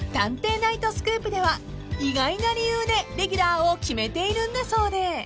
ナイトスクープ』では意外な理由でレギュラーを決めているんだそうで］